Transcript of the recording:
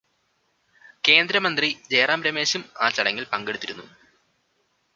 കേന്ദ്രമന്ത്രി ജയറാം രമേശും ആ ചടങ്ങിൽ പങ്കെടുത്തിരുന്നു.